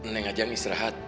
neng ajang istirahat